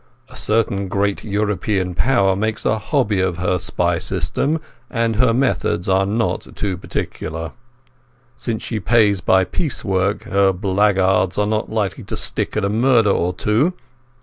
A certain great European Power makes a hobby of her spy system, and her methods are not too particular. Since she pays by piecework her blackguards are not likely to stick at a murder or two.